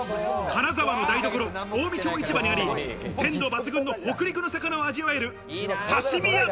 金沢の台所、近江町市場にあり鮮度抜群の北陸の魚を味わえる、刺身屋。